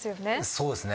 そうですね。